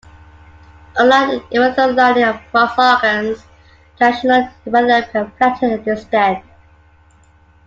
Unlike the epithelial lining of most organs, transitional epithelium can flatten and distend.